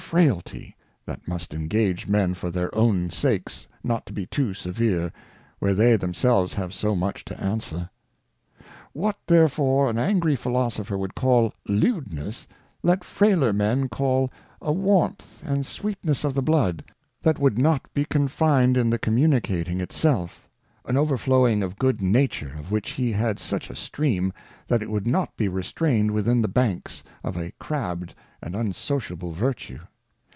207 Frailty, that must engage Men for their own sakes not to be too severe, where they themselves have so much to answer. What therefore an angry Philosopher would call Lewdness, let ' frailer Men call a Warmth and Sweetness of the Blood, that would not be confined in the communicating itself ; an over flowing of Good nature, of which he had such a Stream, that it : would not be restrained within the Banks of a crabbed and unsociable Virtue.